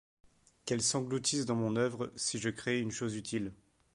Qu'elle s'engloutisse dans mon œuvre, si je crée une chose utile !